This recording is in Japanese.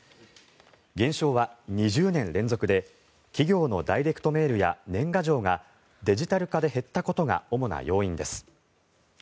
減少は２０年連続で企業のダイレクトメールや年賀状がデジタル化で減ったことが主な要因です。